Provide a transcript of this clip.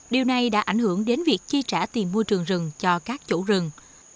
điều này đã ảnh hưởng đến việc chi trả tiền môi trường rừng cho các chủ rừng